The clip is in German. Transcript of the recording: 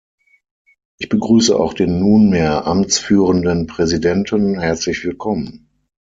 Ich begrüße auch den nunmehr amtsführenden Präsidenten, herzlich willkommen!